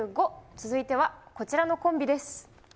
続いてはこちらのコンビです。